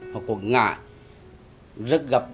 hoặc quận ngã